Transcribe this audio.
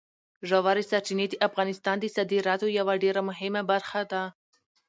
ژورې سرچینې د افغانستان د صادراتو یوه ډېره مهمه برخه ده.